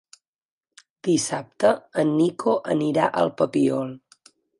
Dissabte en Nico anirà al Papiol.